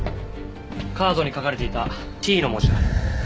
カードに書かれていたＴの文字だ。